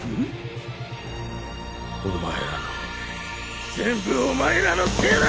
お前らの全部お前らのせいだ！